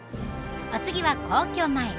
お次は皇居前。